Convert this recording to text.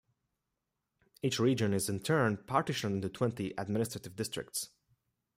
Each region is in turn partitioned into twenty administrative districts.